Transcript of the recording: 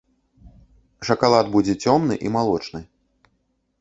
Шакалад будзе цёмны і малочны.